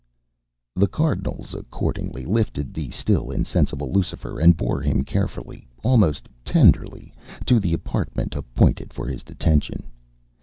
The Cardinals accordingly lifted the still insensible Lucifer, and bore him carefully, almost tenderly, to the apartment appointed for his detention.